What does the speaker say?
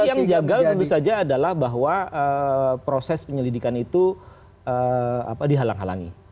tapi yang gagal tentu saja adalah bahwa proses penyelidikan itu dihalang halangi